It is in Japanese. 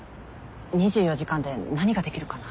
２４時間で何ができるかな？